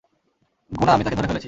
গুনা আমি তাকে ধরে ফেলেছি।